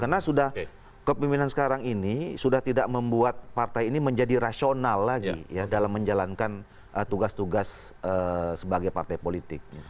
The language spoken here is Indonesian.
karena sudah kepemimpinan sekarang ini sudah tidak membuat partai ini menjadi rasional lagi dalam menjalankan tugas tugas sebagai partai politik